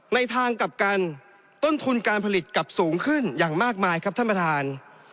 ในทางกลับกันต้นทุนการผลิตกลับสูงขึ้นอย่างมากมายครับท่านประธาน